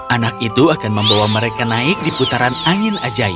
anak itu akan membawa mereka naik di putaran angin ajai